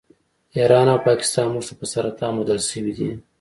ایران او پاکستان موږ ته په سرطان بدل شوي دي